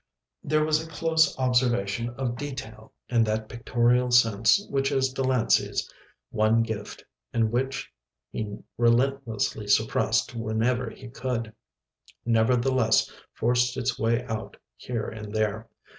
There was a close observation of detail and that pictorial sense which is Delancey's one gift and which he relentlessly suppressed whenever he could, nevertheless forced its way out here and there.